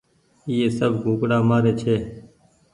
ايئي سب ڪوُڪڙآ مآري ڇي